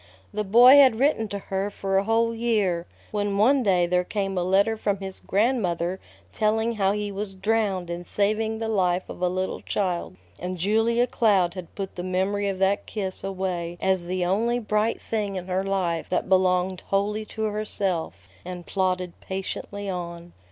The boy had written to her for a whole year, when one day there came a letter from his grandmother telling how he was drowned in saving the life of a little child; and Julia Cloud had put the memory of that kiss away as the only bright thing in her life that belonged wholly to herself, and plodded patiently on.